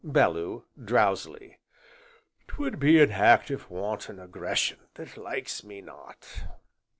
BELLEW. (Drowsily) 'Twould be an act of wanton aggression that likes me not.